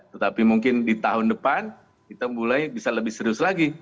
tetapi mungkin di tahun depan kita mulai bisa lebih serius lagi